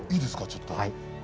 ちょっと。